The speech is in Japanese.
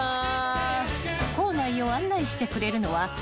［校内を案内してくれるのは］